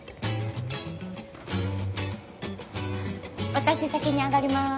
私先に上がりまーす。